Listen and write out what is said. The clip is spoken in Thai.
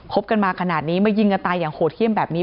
บกันมาขนาดนี้มายิงกันตายอย่างโหดเยี่ยมแบบนี้